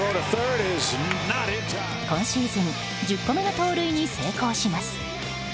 今シーズン１０個目の盗塁に成功します。